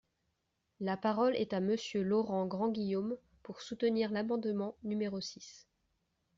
La parole est à Monsieur Laurent Grandguillaume, pour soutenir l’amendement numéro six.